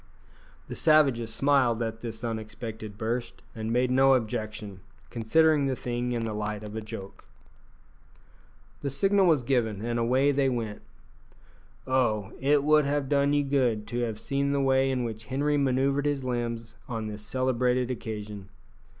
The savages smiled at this unexpected burst, and made no objection, considering the thing in the light of a joke. The signal was given, and away they went. Oh! it would have done you good to have seen the way in which Henri manoeuvred his limbs on this celebrated occasion!